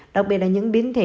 đặc biệt là những biến thể